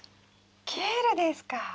ケールですか。